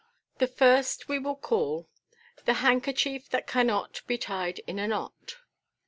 The first we will call — The Handkerchief that cannot be Tied in a Knot.